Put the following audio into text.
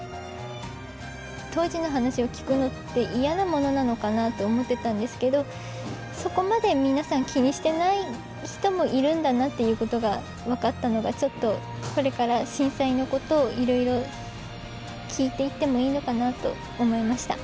当時の話を聞くのって嫌なものなのかなと思ってたんですけどそこまで皆さん気にしてない人もいるんだなっていうことが分かったのがちょっとこれから震災のことをいろいろ聞いていってもいいのかなと思いました。